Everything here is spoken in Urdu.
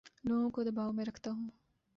لوگوں کو دباو میں رکھتا ہوں